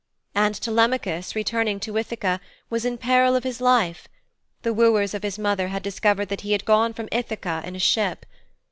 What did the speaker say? And Telemachus, returning to Ithaka, was in peril of his life. The wooers of his mother had discovered that he had gone from Ithaka in a ship.